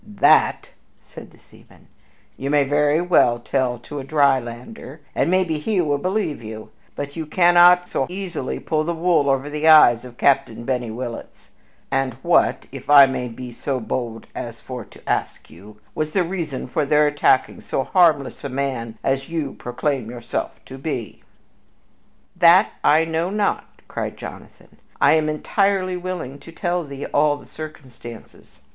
"That," says the seaman, "you may very well tell to a dry lander, and maybe he will believe you; but you cannot so easily pull the wool over the eyes of Captain Benny Willitts. And what, if I may be so bold as for to ask you, was the reason for their attacking so harmless a man as you proclaim yourself to be?" [Illustration: The Burning Ship Originally published in COLLIER'S WEEKLY, 1898] "That I know not," cried Jonathan; "but I am entirely willing to tell thee all the circumstances.